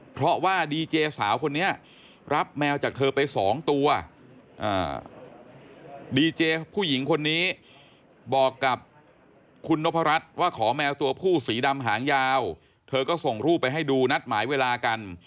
เพราะว่าดีเจสาวคนนี้รับแมวจากเธอไปสองตัวดีเจผู้หญิงคนนี้บอกกับคุณนพรัชว่าขอแมวตัวผู้สีดำหางยาวเธอก็ส่งรูปไปให้ดูนัดหมายเวลากัน